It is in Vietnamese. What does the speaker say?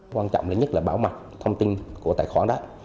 quan trọng nhất là bảo mặt thông tin của tài khoản đó